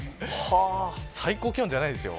最高気温じゃないですよ。